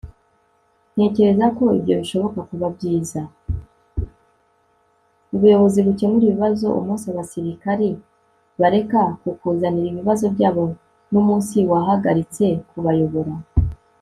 ubuyobozi bukemura ibibazo. umunsi abasirikari bareka kukuzanira ibibazo byabo numunsi wahagaritse kubayobora